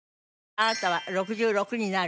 あなたは６６になる？